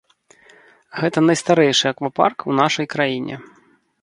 Гэта найстарэйшы аквапарк у нашай краіне.